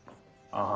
ああ。